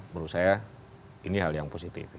menurut saya ini hal yang positif